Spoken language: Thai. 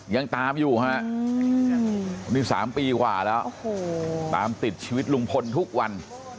ยังตามอยู่ฮะนี่๓ปีกว่าแล้วตามติดชีวิตลุงพลทุกวัน